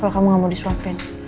kalau kamu nggak mau disuapin